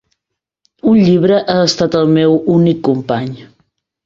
Un llibre ha estat el meu únic company.